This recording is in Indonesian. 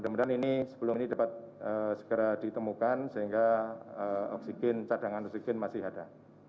semoga ini sebelum ini dapat segera ditemukan sehingga cadangan oksigen masih ada